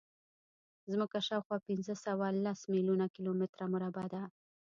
ځمکه شاوخوا پینځهسوهلس میلیونه کیلومتره مربع ده.